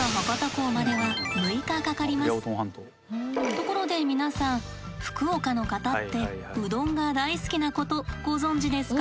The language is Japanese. ところで皆さん福岡の方ってうどんが大好きなことご存じですか？